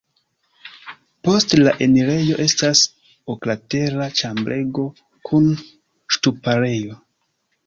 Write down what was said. Post la enirejo estas oklatera ĉambrego kun ŝtuparejo.